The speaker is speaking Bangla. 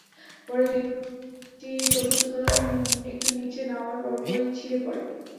পরে লিফটটি চতুর্থ তলা থেকে একটু নিচে নামার পরপরই ছিঁড়ে পড়ে।